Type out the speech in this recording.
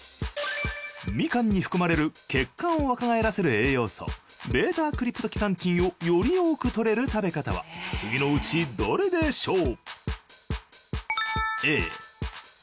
ミカンに含まれる血管を若返らせる栄養素β−クリプトキサンチンをより多く摂れる食べ方は次のうちどれでしょう？